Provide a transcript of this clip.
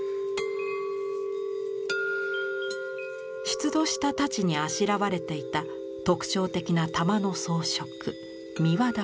出土した大刀にあしらわれていた特徴的な玉の装飾三輪玉。